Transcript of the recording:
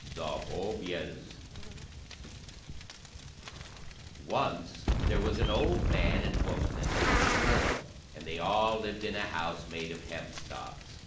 The Hobyahs Once there was an old man and woman and a little girl, and they all lived in a house made of hempstalks.